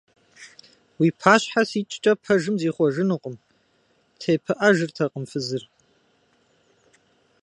Уи пащхьэ сикӀкӀэ пэжым зихъуэжынукъым! – тепыӀэжыртэкъым фызыр.